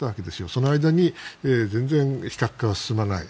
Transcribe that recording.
その間に全然非核化は進まない。